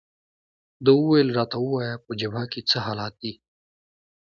ده وویل: راته ووایه، په جبهه کې څه حالات دي؟